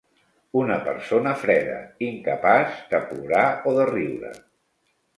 Una persona freda, incapaç de plorar o de riure.